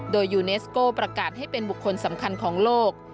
โดยยูเนสโก้ประกาศให้เป็นบุคคลสำคัญของโลก